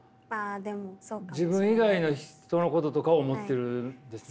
自分以外の人のこととかを思っているんですね。